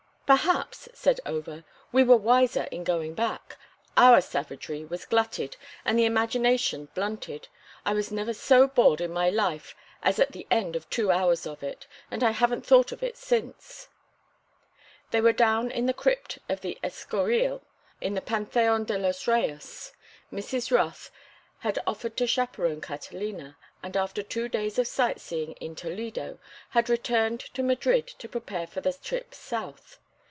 "Perhaps," said Over, "we were wiser in going back. Our savagery was glutted and the imagination blunted. I was never so bored in my life as at the end of two hours of it, and I haven't thought of it since." They were down in the crypt of the Escorial, in the Pantheon de los Reyes. Mrs. Rothe had offered to chaperon Catalina, and after two days of sight seeing in Toledo had returned to Madrid to prepare for the trip south.